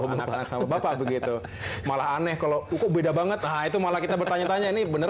anak anak sama bapak begitu malah aneh kalau kok beda banget itu malah kita bertanya tanya ini bener